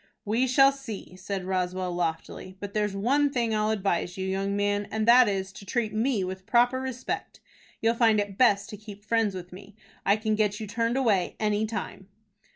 "We shall see," said Roswell, loftily. "But there's one thing I'll advise you, young man, and that is, to treat me with proper respect. You'll find it best to keep friends with me. I can get you turned away any time."